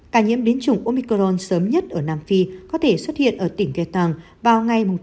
ca nhiễm biến chủng omicron sớm nhất ở nam phi có thể xuất hiện ở tỉnh gaetan vào ngày tám một mươi một